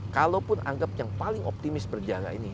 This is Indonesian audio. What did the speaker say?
kalaupun anggap yang paling optimis berjaga ini